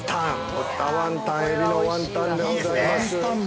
◆豚ワンタン、エビのワンタンでございます。